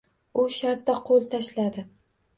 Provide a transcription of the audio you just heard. U shartta qo`l tashladi